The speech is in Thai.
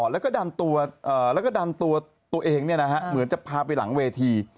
แล้วก็ดันตัวตัวเองเนี่ยนะฮะเหมือนจะพาไปหลังเวที